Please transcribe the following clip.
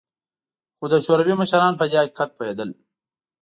خو د شوروي مشران په دې حقیقت پوهېدل